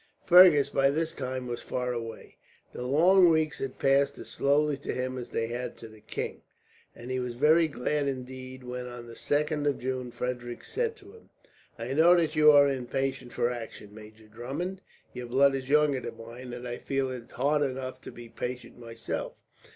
Fergus, by this time, was far away. The long weeks had passed as slowly to him as they had to the king, and he was very glad indeed when, on the 2nd of June, Frederick said to him: "I know that you are impatient for action, Major Drummond. Your blood is younger than mine, and I feel it hard enough to be patient, myself.